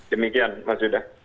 demikian mas sudah